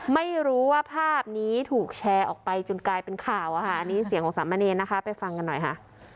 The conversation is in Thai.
ไม่รู้ว่าภาพนี้ถูกแชร์ออกไปจนกลายเป็นข่าวอะค่ะอันนี้เสียงของสามเณรนะคะไปฟังกันหน่อยค่ะ